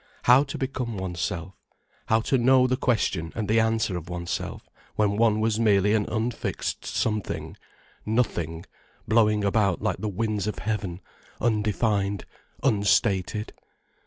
How to become oneself, how to know the question and the answer of oneself, when one was merely an unfixed something—nothing, blowing about like the winds of heaven, undefined, unstated.